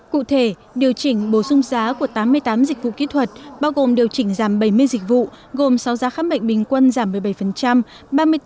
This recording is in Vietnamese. cụ thể điều chỉnh bổ sung giá của tám mươi tám dịch vụ kỹ thuật bao gồm điều chỉnh giảm bảy mươi dịch vụ gồm sáu giá khám bệnh bình quân giảm một mươi bảy